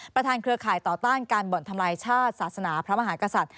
เครือข่ายต่อต้านการบ่อนทำลายชาติศาสนาพระมหากษัตริย์